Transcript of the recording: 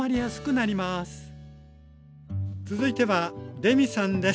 続いてはレミさんです。